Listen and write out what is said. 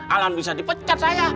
alhamdulillah bisa dipecat saya